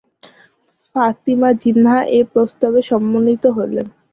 ফাতিমা জিন্নাহ এ প্রস্তাবে সম্মত হলেন।